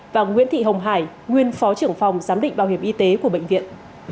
và nguyễn thị hồng hải nguyên phó trưởng phòng giám định bảo hiểm y tế của bệnh viện